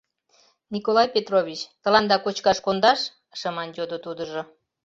— Николай Петрович, тыланда кочкаш кондаш? — шыман йодо тудыжо.